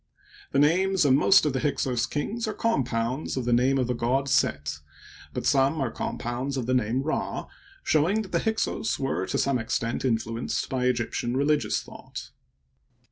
The names of niost of the Hyksos kings are compounds of the name of the god Set, but some are compounds of the name Rd, showing that the Hyksos were to some extent influenced by Egyptian religious thought.